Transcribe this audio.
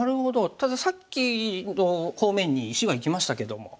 たださっきの方面に石はいきましたけども。